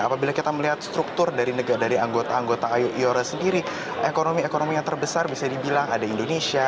apabila kita melihat struktur dari anggota anggota iora sendiri ekonomi ekonomi yang terbesar bisa dibilang ada indonesia